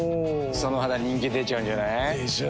その肌人気出ちゃうんじゃない？でしょう。